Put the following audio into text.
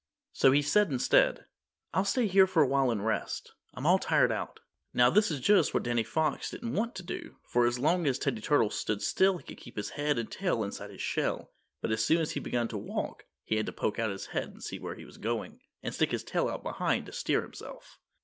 So he said instead, "I'll stay here a while and rest. I'm all tired out." Now this was just what Danny Fox didn't want to do, for as long as Teddy Turtle stood still he could keep his head and tail inside his shell, but as soon as he began to walk he had to poke out his head to see where he was going, and stick his tail out behind to steer himself.